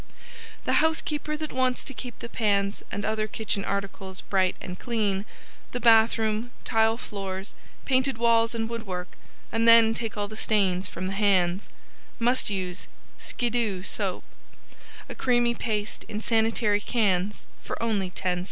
] The Housekeeper that wants to keep the pans and other kitchen articles bright and clean, the bath room, tile floors, painted walls and woodwork, and then take all the stains from the hands, MUST USE Skidoo Soap A Creamy Paste, in sanitary cans for only 10c.